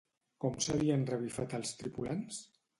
Com s'havien revifat els tripulants?